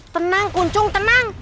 tenang kuncung tenang